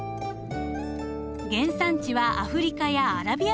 原産地はアフリカやアラビア半島です。